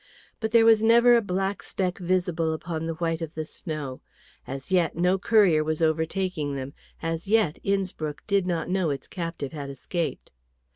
But there was never a black speck visible upon the white of the snow; as yet no courier was overtaking them, as yet Innspruck did not know its captive had escaped.